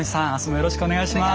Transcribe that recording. よろしくお願いします。